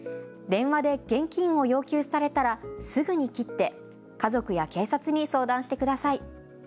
電話で現金を要求されたらすぐに切って家族や警察に相談してください。